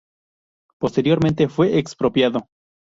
Posteriormente, fue expropiado.